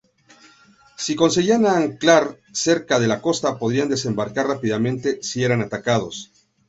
Si conseguían anclar cerca de la costa, podrían desembarcar rápidamente si eran atacados.